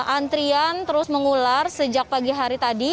antrian terus mengular sejak pagi hari tadi